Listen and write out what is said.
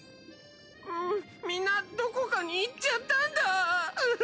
みんなどこかに行っちゃったんだうぅ。